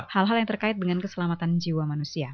hal hal yang terkait dengan keselamatan jiwa manusia